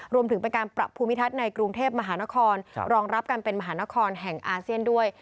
รวมถึงเป็นการปรับภูมิทัศน์ในกรุงเทพมหานครรองรับการเป็นมหานครแห่งอาเซียนด้วย